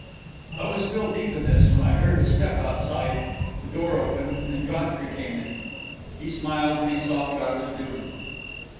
I was still deep in this, when I heard a step outside, the door opened, and Godfrey came in. He smiled when he saw what I was doing.